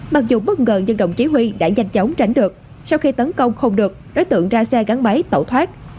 mặc dù bất ngờ nhưng đồng chí huy đã nhanh chóng tránh được sau khi tấn công không được đối tượng ra xe gắn máy tẩu thoát